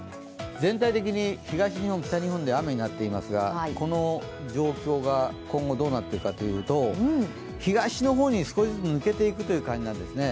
全体的に東日本、北日本で雨になっていますがこの状況が今後、どうなってくかというと東の方に少しずつ抜けていくという感じなんですね。